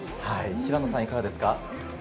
平野選手いかがですか？